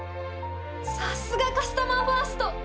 さすがカスタマーファースト！